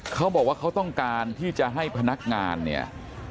เขาบอกว่าเขาต้องการที่จะให้พนักงานเนี่ย